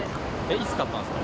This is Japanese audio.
いつ買ったんですか？